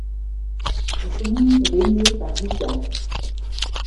La commune est baigné par l'Isac.